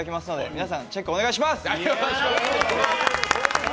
皆さんチェックお願いします。